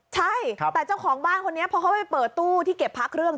ใช่แต่เจ้าของบ้านคนนี้พอเขาไปเปิดตู้ที่เก็บพระเครื่อง